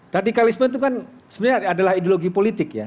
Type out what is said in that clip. radikalisme itu kan sebenarnya adalah ideologi politik ya